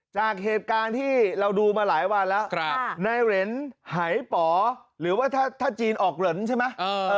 จากเหตุการณ์ที่เราดูมาหลายวันแล้วในเหรนหายป๋อหรือว่าถ้าจีนออกเหล็นใช่ไหม